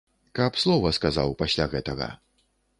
Каб слова сказаў пасля гэтага.